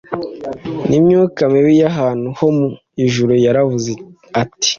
n’imyuka mibi y’ahantu ho mu ijuru, yaravuze ati, “